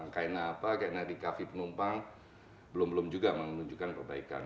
karena apa karena di kafi penumpang belum belum juga menunjukkan perbaikan